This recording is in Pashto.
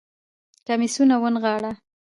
کميسونه ونغاړه